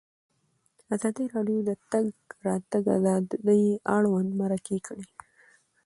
ازادي راډیو د د تګ راتګ ازادي اړوند مرکې کړي.